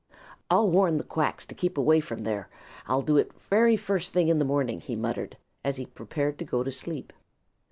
"I'll warn the Quacks to keep away from there. I'll do it the very first thing in the morning," he muttered, as he prepared to go to sleep.